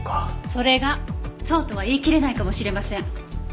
それがそうとは言いきれないかもしれません。